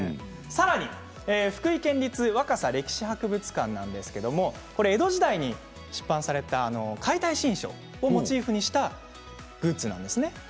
さらに福井県立若狭歴史博物館なんですけれども江戸時代に出版された「解体新書」をモチーフにしたグッズなんですね。